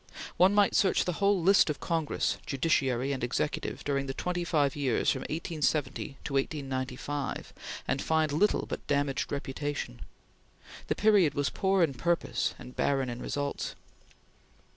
One might search the whole list of Congress, Judiciary, and Executive during the twenty five years 1870 to 1895, and find little but damaged reputation. The period was poor in purpose and barren in results.